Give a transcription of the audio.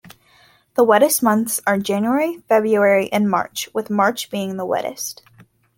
The wettest months are January, February, and March with March being the wettest.